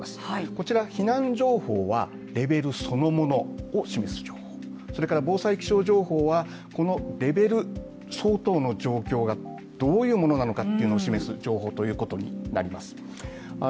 こちら、避難情報はレベルそのものを示す情報、それから防災気象情報はこのレベル相当の状況がどういうものなのかというのを示す情報ということになります。